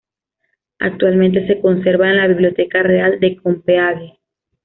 Actualmente se conserva en la Biblioteca Real de Copenhague.